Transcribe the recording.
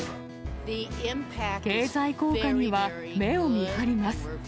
経済効果には目をみはります。